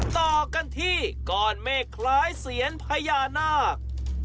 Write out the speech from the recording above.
ต่อกันที่ก้อนเมฆคล้ายเสียนพญานาค